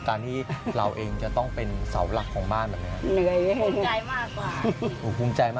การที่เราเองจะต้องเป็นเสาหลักของบ้านแบบนี้ครับ